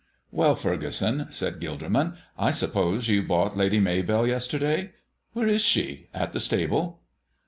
"Well, Furgeson," said Gilderman, "I suppose you bought Lady Maybell yesterday. Where is she? At the stable?"